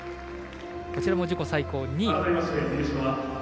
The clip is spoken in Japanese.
こちらも自己最高、２位。